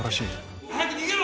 早く逃げろ！